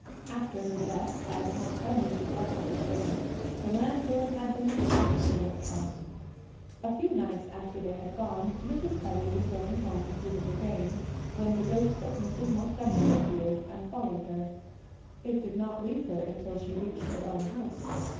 After her death, as Montgomery neglected the children, the landlord had them taken to the workhouse. A few nights after they had gone, Mrs. Kelly was going home through the bogeen when the ghost of Mrs. Montgomery appeared and followed her. It did not leave her until she reached her own house.